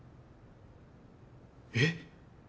えっ？